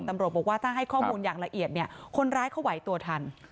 ตำรวจบอกว่าถ้าให้ข้อมูลอย่างละเอียดเนี่ยคนร้ายเขาไหวตัวทัน